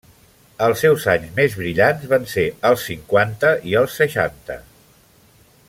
Els seus anys més brillants van ser els cinquanta i els seixanta.